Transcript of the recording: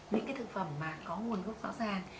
những cái thực phẩm mà có nguồn gốc rõ ràng